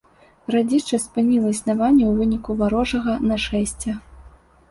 Гарадзішча спыніла існаванне ў выніку варожага нашэсця.